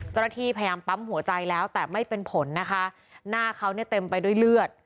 เจ้าหน้าที่พยายามปั๊มหัวใจแล้วแต่ไม่เป็นผลนะคะหน้าเขาเนี่ยเต็มไปด้วยเลือด